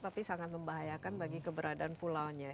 tapi sangat membahayakan bagi keberadaan pulau nya